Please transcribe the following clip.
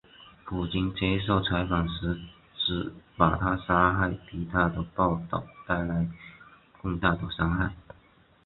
普京接受采访时指把她杀害比她的报导带来更大的伤害。